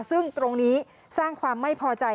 ซึ่งตรงนี้สร้างความไม่พอใจ